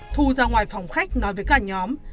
thu ra ngoài phòng khách nói với cả nhóm